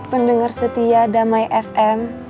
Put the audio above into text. pendengar setia damai fm